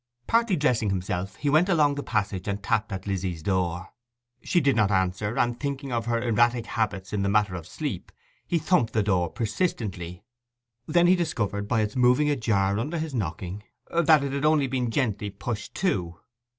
Partly dressing himself; he went along the passage and tapped at Lizzy's door. She did not answer, and, thinking of her erratic habits in the matter of sleep, he thumped the door persistently, when he discovered, by its moving ajar under his knocking, that it had only been gently pushed to.